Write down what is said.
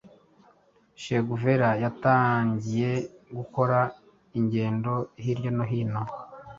che guevara yatangiye gukora ingendo hirya no hino